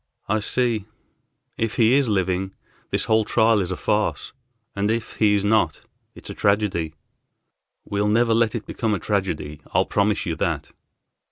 "I see. If he is living, this whole trial is a farce, and if he is not, it's a tragedy." "We'll never let it become a tragedy, I'll promise you that."